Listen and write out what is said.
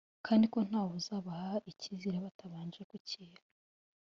kandi ko ntawuzabaha icyizere batabanje kukiha